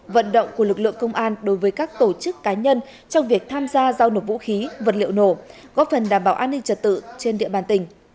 vận động của lực lượng công an đối với các tổ chức cá nhân trong việc tham gia giao nộp vũ khí vật liệu nổ góp phần đảm bảo an ninh trật tự trên địa bàn tỉnh